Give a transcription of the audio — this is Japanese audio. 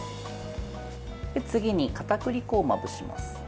次に、かたくり粉をまぶします。